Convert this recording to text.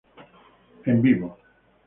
En vivo.